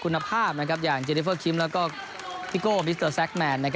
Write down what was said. คุณภาพอย่างเจริเฟอร์คิมแล้วก็พี่โก้มิสเตอร์แซคแมน